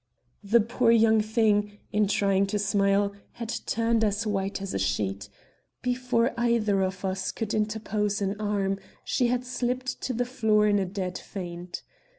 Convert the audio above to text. The poor young thing, in trying to smile, had turned as white as a sheet. Before either of us could interpose an arm, she had slipped to the floor in a dead faint.